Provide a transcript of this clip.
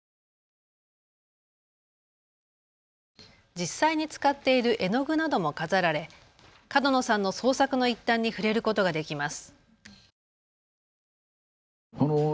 実際に使っている絵の具なども飾られ、角野さんの創作の一端に触れることができます。